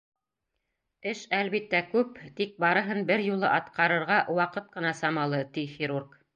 — Эш, әлбиттә, күп, тик барыһын бер юлы атҡарырға ваҡыт ҡына самалы, — ти хирург.